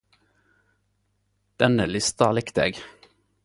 Denne lista likte eg.